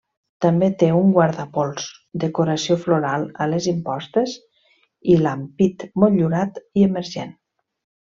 També té un guardapols, decoració floral a les impostes i l'ampit motllurat i emergent.